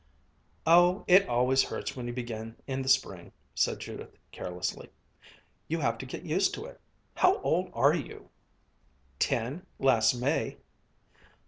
"Oh, it always hurts when you begin in the spring," said Judith carelessly. "You have to get used to it. How old are you?" "Ten, last May."